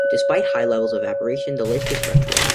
Despite high levels of evaporation, the lake is fresh water.